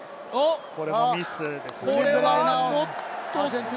これもミスですよね。